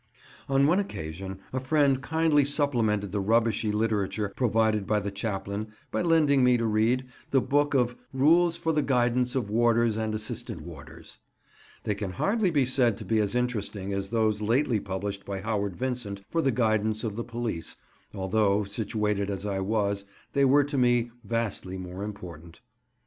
On one occasion a friend kindly supplemented the rubbishy literature provided by the chaplain by lending me to read the book of "Rules for the Guidance of Warders and Assistant Warders." They can hardly be said to be as interesting as those lately published by Howard Vincent for the guidance of the police, although, situated as I was, they were to me vastly more important.